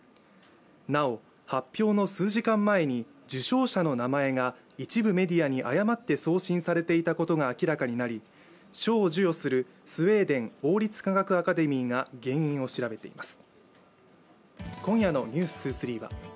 なお、発表の数時間前に受賞者の名前が一部メディアに誤って送信されていたことが明らかになり賞を授与するスウェーデン王立科学アカデミーが原因を調べています。